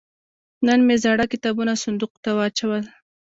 نن مې زاړه کتابونه صندوق ته واچول.